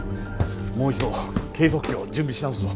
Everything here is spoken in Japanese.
もう一度計測器を準備し直すぞ。